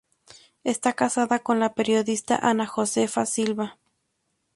Está casado con la periodista Ana Josefa Silva.